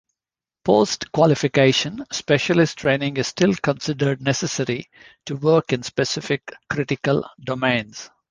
Post-qualification, specialist training is still considered necessary to work in specific critical domains.